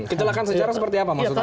kecelakaan sejarah seperti apa maksudnya